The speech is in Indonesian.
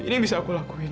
ini yang bisa aku lakuin